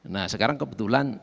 nah sekarang kebetulan